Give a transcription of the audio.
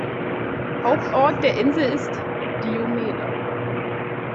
Hauptort der Insel ist Diomede.